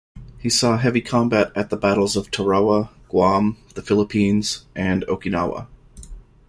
He saw heavy combat at the battles of Tarawa, Guam, the Philippines and Okinawa.